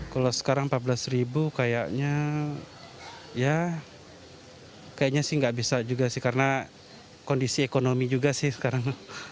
kalau sekarang empat belas ribu kayaknya ya kayaknya sih nggak bisa juga sih karena kondisi ekonomi juga sih sekarang